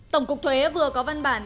tổng cục thuế vừa có văn bản